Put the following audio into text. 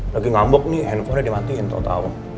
lagi ngambuk nih handphonenya dimatiin tau tau